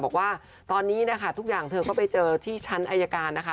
บอกว่าตอนนี้นะคะทุกอย่างเธอก็ไปเจอที่ชั้นอายการนะคะ